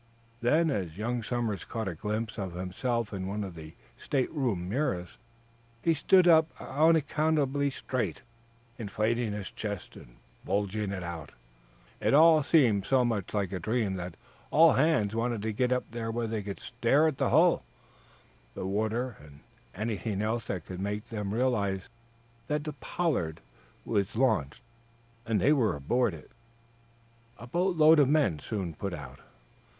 Then, as young Somers caught a glimpse of himself in one of the state room mirrors, he stood up unaccountably straight, inflating his chest and bulging it out. They had to go up on deck again. It all seemed so much like a dream that all hands wanted to get up where they could stare at the hull, the water and at anything else that could make them realize that the "Pollard" was launched and they were aboard. A boat load of men soon put out.